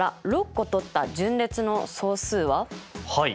はい。